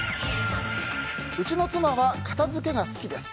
うちの妻は片付けが好きです。